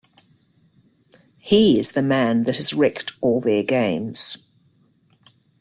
He is the man that has wrecked all their games.